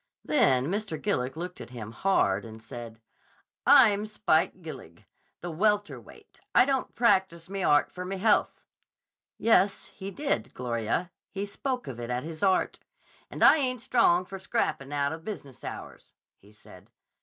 Then Mr. Gillig looked at him hard and said, 'I'm Spike Gillig, the welter weight. I don't practice me art for me health'—Yes, he did, Gloria; he spoke of it as his art!—'And I ain't strong for scrappin' out of business hours,' he said.